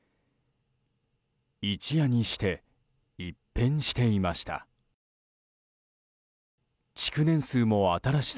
一夜にして一変していました。